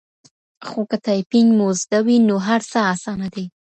خو که ټایپنګ مو زده وي نو هر څه اسانه دي.